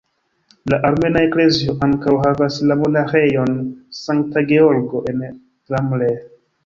La Armena Eklezio ankaŭ havas la monaĥejon Sankta Georgo en Ramleh.